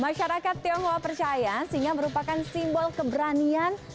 masyarakat tionghoa percaya sehingga merupakan simbol keberanian